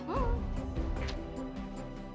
sudara lah kali